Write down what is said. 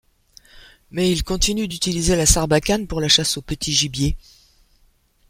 Mais ils continuent d'utiliser la sarbacane pour la chasse au petit gibier.